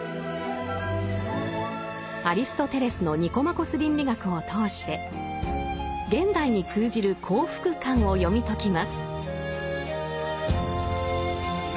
アリストテレスの「ニコマコス倫理学」を通して現代に通じる幸福観を読み解きます。